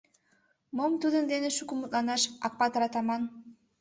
Мом тудын дене шуко мутланаш, Акпатыр-атаман!